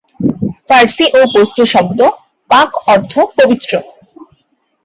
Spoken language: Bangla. ফার্সি ও পশতু শব্দ 'পাক' অর্থ- পবিত্র।